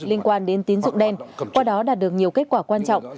liên quan đến tín dụng đen qua đó đạt được nhiều kết quả quan trọng